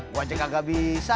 gue aja kagak bisa